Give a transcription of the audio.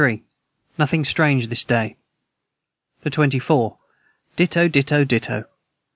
Nothing strange this day. the 24. Ditto Ditto Ditto.